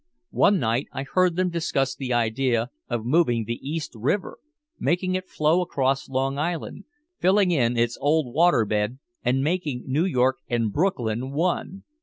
One night I heard them discuss the idea of moving the East River, making it flow across Long Island, filling in its old water bed and making New York and Brooklyn one.